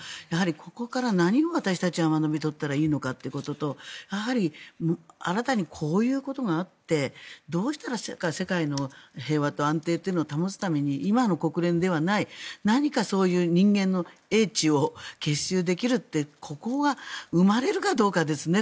ここから何を私たちは学び取ったらいいのかってこととやはり新たにこういうことがあってどうしたら世界の平和と安定を保つために今の国連ではない何か人間の英知を結集できるってここが生まれるかどうかですね。